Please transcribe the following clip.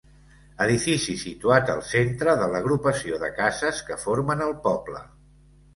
Edifici situat al centre de l'agrupació de cases que formen el poble.